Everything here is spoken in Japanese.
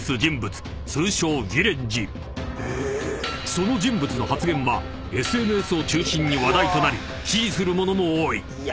［その人物の発言はＳＮＳを中心に話題となり支持する者も多い］